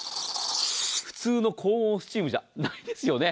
普通の高温スチームじゃないですよね。